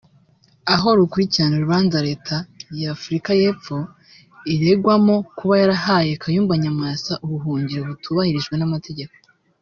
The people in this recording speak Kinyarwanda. aho rukurikirana urubanza Leta ya Afurika y’Epfo iregwamo kuba yarahaye Kayumba Nyamwasa ubuhungiro butubahirije amategeko